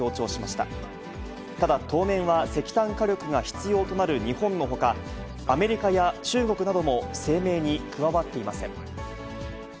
ただ、当面は石炭火力が必要となる日本のほか、アメリカや中国なども声明に加わっていません。